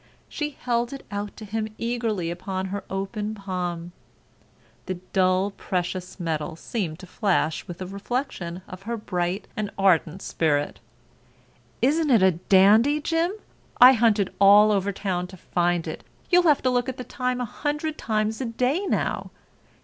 She held it out to him eagerly upon her open palm. The dull precious metal seemed to flash with a reflection of her bright and ardent spirit. "Isn't it a dandy, Jim? I hunted all over town to find it. You'll have to look at the time a hundred times a day now.